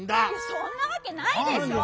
そんなわけないでしょ！